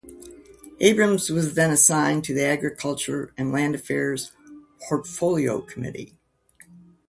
Abrams was then assigned to the agriculture and land affairs portfolio committee.